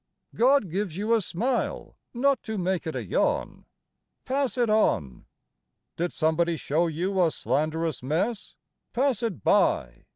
God gives you a smile, not to make it a yawn; Pass it on! Did somebody show you a slanderous mess? Pass it by!